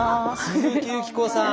鈴木由紀子さん。